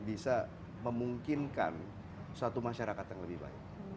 bisa memungkinkan satu masyarakat yang lebih baik